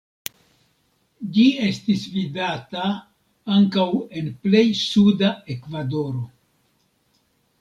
Ĝi estis vidata ankaŭ en plej suda Ekvadoro.